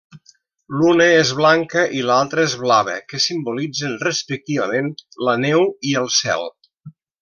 L'una és blanca i l'altra és blava, que simbolitzen respectivament la neu i el cel.